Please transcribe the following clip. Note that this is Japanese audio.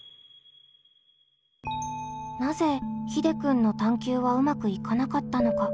なぜひでくんの探究はうまくいかなかったのか？